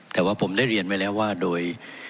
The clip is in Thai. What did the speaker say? แต่ว่าผมได้เรียนไว้แล้วว่าโดย